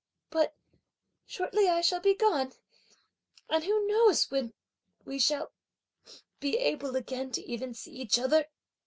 But shortly, I shall be gone, and who knows when we shall be able again to even see each other!"